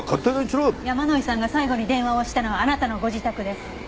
山井さんが最後に電話をしたのはあなたのご自宅です。